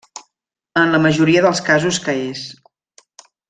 En la majoria dels casos que és.